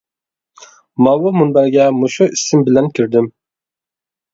ماۋۇ مۇنبەرگە مۇشۇ ئىسىم بىلەن كىردىم.